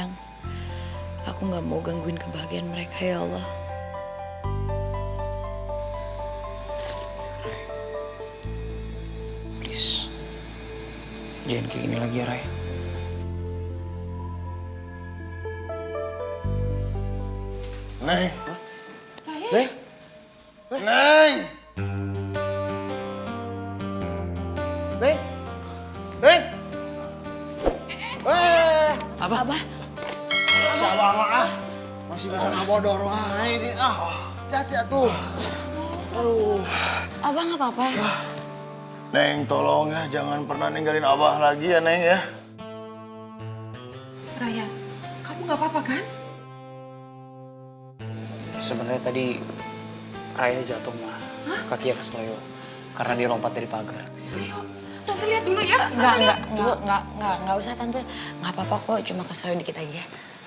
nggak nggak nggak usah tante nggak apa apa kok cuma keselio dikit aja